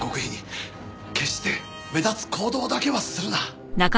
決して目立つ行動だけはするな。